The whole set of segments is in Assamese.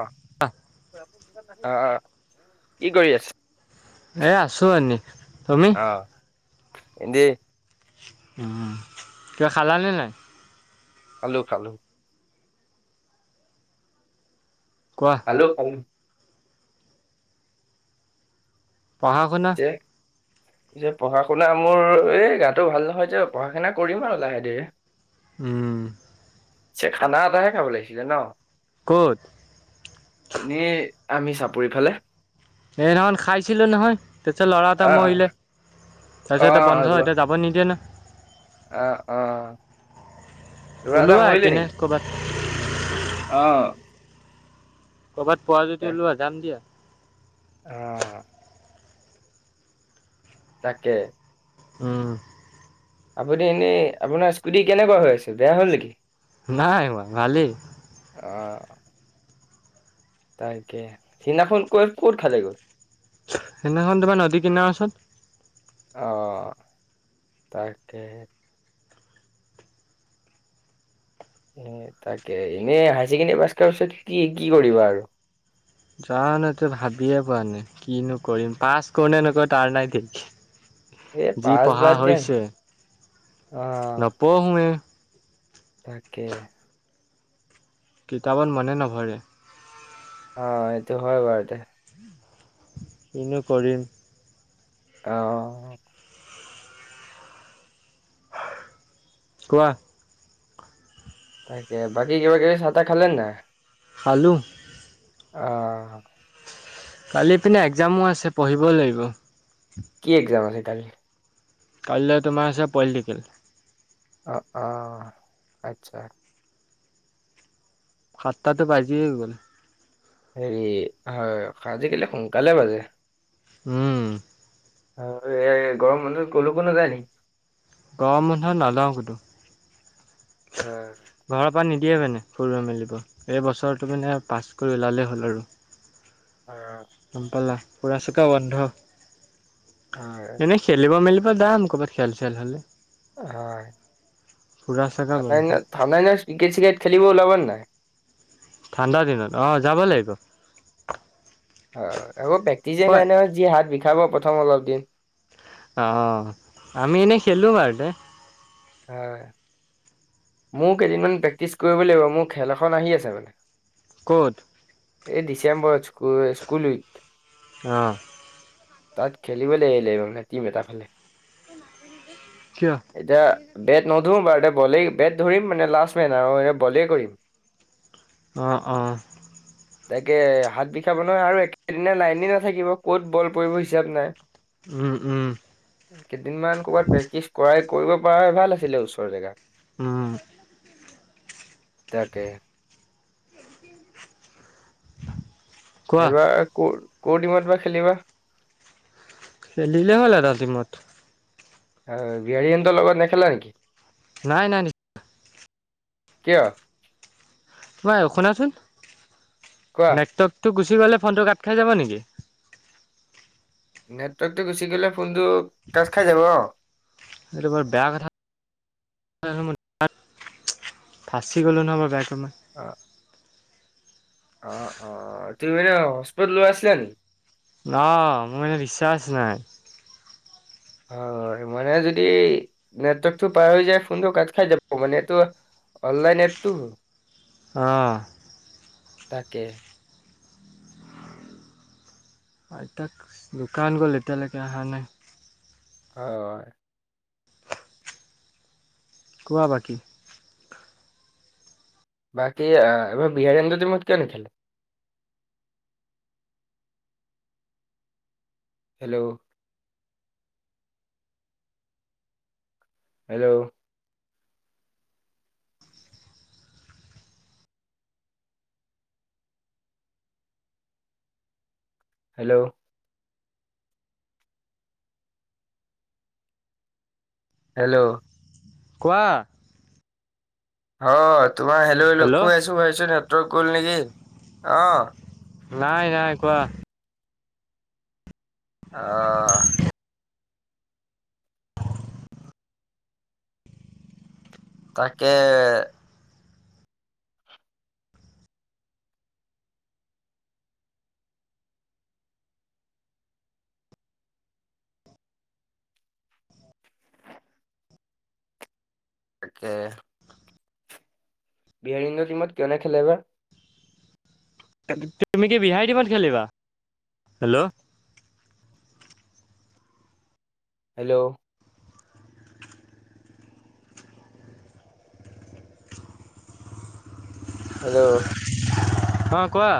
আহ আহ কি কৰি আছে? এ আছো এনি তুমি? অ এনে কিবা খালানে নাই? খালো খালো। কোৱা খালো খালো পঢ়া - শুনা যে পিছে পঢ়া- শুনা মোৰ এই গাটো ভাল নহয় যে পঢ়া -শুনা কৰিম আৰু লাহে ধীৰে উম চ খানা এটাহে খাব লাগিছিলে ন ক'ত এনেই আমি চাপৰিফালে সেই দিনাখন খাইছিলো নহয়, তাৰপিছত ল'ৰা এটা অ মৰিলে তাৰপিছত এতিয়া বন্ধ এতিয়া যাব নিদিয়ে ন আহ অ ল'ৰা এটা ওলোৱা মৰিলে আহপিনে কৰ'বাত অহ'। ক'ৰবাত পোৱা যদি ওলোৱা যাম দিয়া। অহ'। তাকে উম। আপুনি এনেই। আপোনাৰ স্কুটি কেনেকুৱা হৈ আছিল, বেয়া হ'ল নেকি? নাই হোৱা ভালেই অ তাকে সিদিনাখন কৈ ক'ত খালে গৈ সেইদিনাখন তোমাৰ নদী কিনাৰ ওচৰত আহ তাকে এ তাকে এনে হায় ছেকেণ্ডেৰী পাছ কৰা পিছত কি কি কৰিবা আৰু জানু ত' ভাবিয়ে পোৱা নাই কিনো কৰিৰিম পাছ কৰো নে নক তাৰ নাই থিক এই যি পাছ পঢ়া বাদ দিয়া হৈছে, আহ নপঢ়োৱে তাকে কিতাপত মনে নভৰে অহ' এইটো হয় বাৰু তে কিনো কৰিম। অহ কোৱা। তাকে। বাকী কিবা কিবি চাহ তাহ খালে নে নাই? খালো। অহ'। কালি পিনে এক্সামো আছে, পঢ়িব লাগিব। কি এক্সাম আছে, কালি? কাইলৈ তোমাৰ আছে, পলিটিকেল। অহ', অহ' আচ্ছা। সাতটাতো বাজীয়ে গ'ল। হেৰি, হয় আজিকালি সোনকালে বাজে। উম। আৰু এই গৰম বন্ধত কলৈকো নাযায় নেকি? গৰম বন্ধত নাযাওঁ কতো। অহ'। ঘৰৰ পৰা নিদিয়ে মানে, ফুৰিব মেলিব। এই বছৰটো মানে পাছ কৰি ওলালেই হ'ল আৰু। হয় গম পালা, ফুৰা চকা বন্ধ। হয় এনেই খেলিব-মেলিব যাম, ক'ৰবাত খেল-চেল হ'লে। হয়। ফুৰা চকা ঠাণ্ডা বন্ধ দিনত, ঠাণ্ডা দিনত ট্ৰিকেট চিকেত খেলিব ওলাবা নে নাই? ঠাণ্ডা দিনত। অহ, যাব লাগিব। অহ' আকৌ প্ৰেক্টিছ যে কয় নাই নহয়। যি হাত বিষাব প্ৰথম অলপ দিন। অহ' আমি এনেই খেলোঁ বাৰু দে। হয়। মোৰ কেইদিনমান প্ৰেক্টিছ কৰিব লাগিব। মোৰ খেল এখন আহি আছে মানে। ক'ত? এই ডিচেম্বৰত স্কুল-স্কুল উইক। অহ'। তাত খেলিবলৈ লাগিব মানে, টিম এটা ফালে। কিয় এতিয়া বেট নধৰো বাৰু। এ বলেই বেট ধৰিম মানে, লাষ্ট মেন আৰু। এনেই বলেই কৰিম। অহ', অহ'। তাকে হাত বিষাব নহয়। আৰু একেদিনাই লাইনে নাথাকিব। ক'ত বল পৰিব হিচাপ নাই। উম', উম'। কেইদিন মান ক'ৰবাত প্ৰেক্টিছ কৰাই, কৰিব পৰা হ'লে ভাল আছিলে ওচৰৰ জেগাত। অ তাকে কোৱা এইবাৰ কৰ টিমত বা খেলিবা খেলিলে হ'ল আৰু এটা টিমত আৰু বিয়াৰীহঁতৰ লগত নেখেলা নেকি নাই নাই নিশ্চয়। কিয়? এই শুনাচোন। কোৱা? নাইট্ৰপটো গোছাই উঠি গ'লে ফোনটো কাট খাই যাব নেকি? নেটৱৰ্কটো গুচি গ'লে কোনটো কাজ খাই যাব এইটো বৰ বেয়া কথা নহয়, মই ফাঁচি গ'লোঁ নহয় ব বাইকমান অ অ তুমি হস্পিতালত আছিলা নেকি অ মোৰ এনেই বিশ্বাসা হয় মানে যদি নেটৱৰ্কটো পাৰ হৈ যায় ফোনটো কাট খাই যাব মানে এইটো অনলাইন এপটো অ তাকে আইতাক দোকান গ'ল এতিয়ালৈকে হানাই হয় কোৱা বাকি বাকী এইবাৰ বিহাৰীন্দত মত কিয় ন খেলে হেল্ল' হেল্ল' হেল্ল' হেল্ল' কোৱা অ তোমাৰ হেল্ল হেল্ল কৈ আছো ভাবিছো নেটৱৰ্ক গল নেকি অ নাই নাই কোৱা আহ তাকে তাকে বিহাৰী ইন্দ টিমত কিয়নে খেলে বাাৰ তুমি কি বিহাৰী টিমত খেলিবা হেল্ল' হেল্ল' হেল্ল' অ কোৱা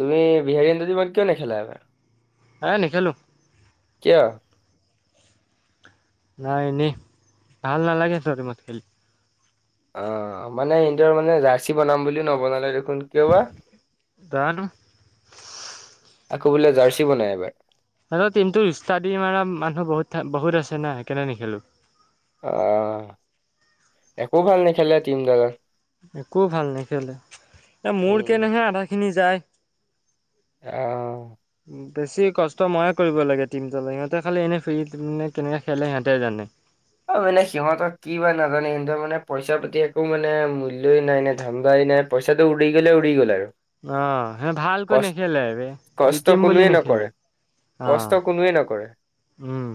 তুমি বিহাৰীহঁতৰ টিমত কিয় নেখেলা এবাৰ এ নেখেলো কিয় নাই এনে ভাল নালাগে সিহঁতৰ টিমত খেলি অ মানে এৰ মানে জাৰ্চি বনাম বুলিও নবনালে দে কোন কিয় বা আকৌ বোলে জাৰ্চি বনাই এইবাৰ আৰু ন্তটো ৰিচ্া দি ম মান মানুহ বহুত বহুত আছে না কেনে নেখেলোঁ আহ একো ভাল নেখেললে টিমডালত একো ভাল নেখেলে এ মোৰ উম কেনেহে আধা খিনি যায় আহ বেছি কষ্ট ময়ে কৰিব লাগে টিম ত সিহঁতে খালি এনে ফ কেনেকে খেলে সিহঁতে জানে অ মানে সিহঁতক কি বা নাজানে স মানে পইচা পাতি একো মানে মূল্যয়ই নাই নে ধান্দাই পানে পইচাটো উ়িকিললে উৰিিকল আৰু অ সেই ভালকৈ কচ নেখেলে এইব কষ্ট জিকিম বুলি কোনোৱে নকৰে নেখেলে কষ্ট অ' কোনোৱে নকৰে উম।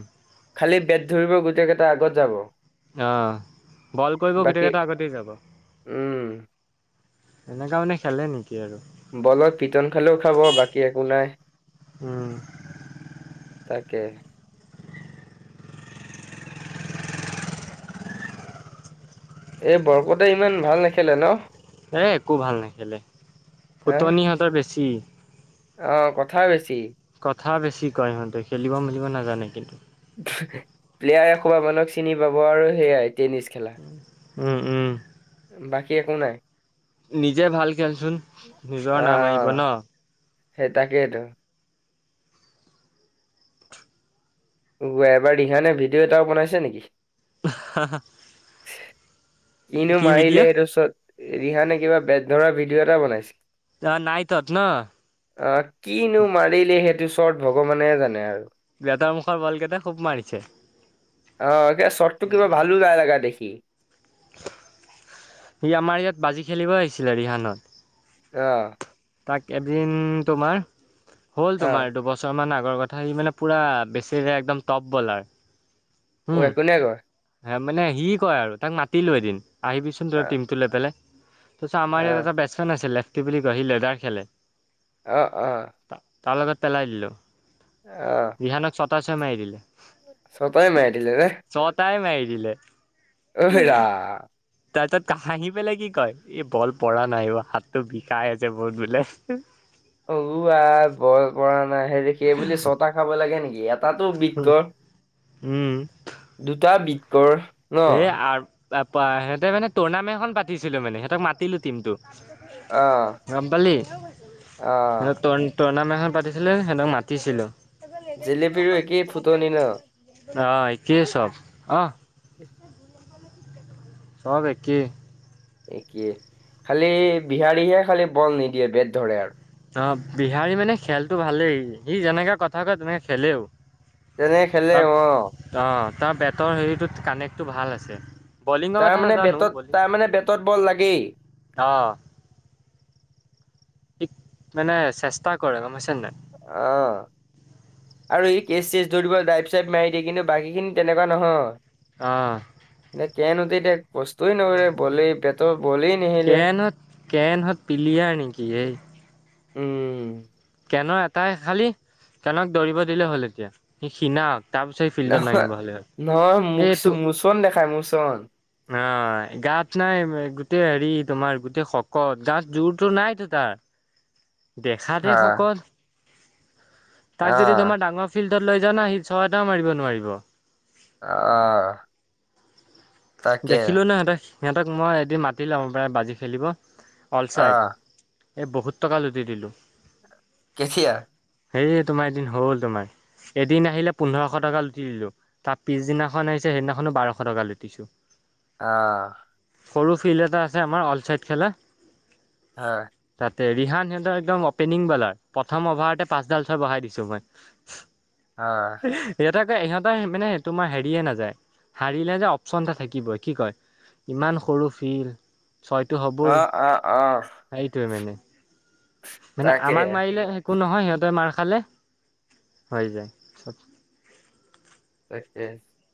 খালি বেট ধৰিব গোটেই কেইটা আগত যাব আহ বল কৰিব বাকী ভিতকেইটা আগতে যাব উম এনেকা মানে খেলে নেকি আৰু। বলত পিটন খালেও খাব বাকী একো নাই উম, তাকে এই বৰকোতে ইমান ভাল নেখেলে ন এ একো ভাল নেখেলে হা ফুটনি সিহঁতৰ বেছি অ কথা বেছি কথা বেছি কয় সিহঁতে খেলিব মেলিব নাজানে কিন্তু প্লেয়াৰ এসোবাহ মানুহক চিনি পাব আৰু সেয়াই টেনিছ খেলা ওম ওম বাকী একো নাই নিজে ভাল খেলচোন নিজৰ নাম আহিব অ', ন সেই তাকেইটোো এবাৰ দিহানে ভিডিঅ' এটাও বনাইছে নেকি [unintelligible] কিনো কি মাৰিলে ভিডিঅ' এইটো চত ৰিহানে কিবা বে ধৰা ভিডিঅ' এটা অ' নাইটত ন বনাইছিল আহ কিনো মাৰিলে সেইটো চত ভগৱানে জানে আৰু বতৰ মুখৰ বল কেইটা খুব মাৰিছে অ এ চটটো কিবা ভালো গা লগা দেখি সি আমাৰ ইয়াত বাজি খেলিব আহিছিলে ৰিহানত আহ তাক এদিন তোমাৰ হ'ল অ', তোমাৰ দুবছৰ মান আগ কথা সি মানে পুৰা বেছি একদম টপ বলাৰ হুম কোনে ক মানে সি কয় আৰু তাক মাতি লৈ এদম আহিবিচোন তই অ', টিমটো লৈ পেলাই তাৰপিছ আম ইয়াত অ', এটা বেটছে আ লেফটি কয় সি লেডাৰ খেলে আহ আহ তাৰ লগত পেলাই দিলোঁ আহ তচ মাৰি দিলে ছয়তাই মাৰি দিলে নে? টাই মাৰি দিলে। অ হেৰা। তাৰ পিছত হাঁহি পেলাই কি কয়, এই বল পৰা নাই অ হাতটো বিষাই আছে বহুত বোলে। উ আই এ বল পৰা নাই, সেই বুলি ছটা খাব লাগে নেকি, ইয়াত এটাতো বিত কৰ। উম। টা বিতকৰ। আৰ স পা ইহঁতে মানে টুৰ্ণামেন্ট খন পাতিছিলে মানে, সেহঁতক মাতিলো টিমটো। অ' গম পালি? সেহতি অ' টৰ টৰ্ণামেট এখন পাতিছিলে সিহতক মাতিছিলো। জেলেপীৰো একেই ফুটনি ন অহ, একেই চব অহ। চব একেই। একেই খালি বিহাৰীহে খালি বল নিদিয়ে বেট ধৰে আৰু। অ', বিহাৰী মানে খেলটো ভালেই সি যেনেকে কথা কয় তেনেকে খেলেও। তেনেকে তাৰ খেলেও অহ। অঁ তাৰ বেটৰ হেৰিটোত কানেক্টটো ভাল আছে। বলিঙৰ কথা তাৰমানে নাজানো বেটত, তাৰমানে বেটত বল লাগেই। অহ। ঠিক মানে চেষ্টা কৰে গম পাইছে নে নাই। অহ। আৰু ই কেচ চেচ ধৰিবলৈ ড্ৰাইপ চাইপ মাৰি দিয়ে, কিন্তু বাকীখিনি তেনেকুৱা নহয়। অহ। এ কেন হতে এতিয়া কষ্টই নকৰে, বলেই বেটৰ বলেই নেহেলে কেনহত, কেনহত পিলিয়াৰ নেকি এই। উম। কেনৰ এটাই, খালি কেনক দৌৰিব দিলেই হ'ল এতিয়া, সি খিনাওক। নহয়, নহয় মুচ এইটো মোচন দেখাই মোচন। অ', গাত নাই গোটেই হেৰি তোমাৰ গোটেই শকত, গাত জোৰতো নাইতো তাৰ। [unintelligible] দেখাত হা হে শকত। তাক যদি আহ তোমাৰ ডাঙৰ ফিল্ডত লৈ যাও ন, সি ছয় এটাও মাৰিব নোৱাৰিব। অহ। দেখিলো ন সিহঁত, সিহঁতক মই এদিন মাতি লম প্ৰ বাজি খেলিব। অলচাইড, আহ এই বহুত টকা লুটি দিলোঁ। কেতিয়া? সেই তোমাৰ, এদিন হ'ল তোমাৰ। এদিন আহিলে পোন্ধৰশ টকা লুটি দিলো, তাৰ পিছদিনাখন আহিছে সেইদিনাখনো বাৰশ টকা লুটিছো। অহ। সৰু ফিল্ড এটা আছে আমাৰ, অল চাইড খেলা। হয়। তাতে ৰিহান সিহঁতৰ একদম অপেনিং বলাৰ প্ৰথম অভাৰতে পাঁচডাল ছয় বঢ়াই দিছো মই। হয়। ইহতক ইহঁতৰ মানে তোমাৰ হেৰিয়ে নাযায়, হাৰিলে যে অপচন এটা থাকিব। কি বয়, কি কয়? ইমান সৰু ফিল। ছয়টো অ হ'বই, অ অ সেইটোৱে মানে। মানে তাকে আমাক মাৰিলে একো নহয়, সিহঁতে মাৰ খালে হৈ যায় চব। তাকে হে,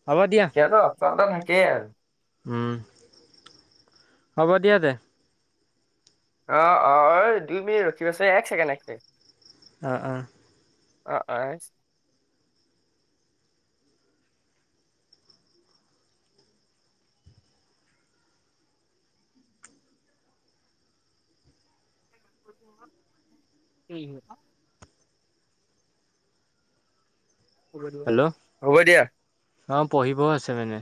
হ'ব দিয়া সিহঁতৰ অপচন এটা থাকেই আৰু। উম। হ'ব দিয়া দে। অ অ দুই মিনিট ৰখিবাছোন এক ছেকেণ্ড এক ছেকেণ্ড আহ আহ আহ আহ সহ হ'ব দিয়া অ পঢ়িবও আছে মানে